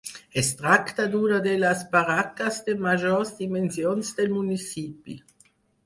Es tracta d'una de les barraques de majors dimensions del municipi.